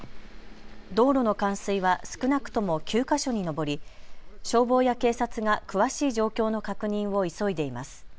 道路の冠水は少なくとも９か所に上り消防や警察が詳しい状況の確認を急いでいます。